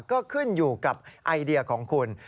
ก็ขึ้นอยู่กับไอเดียของคุณ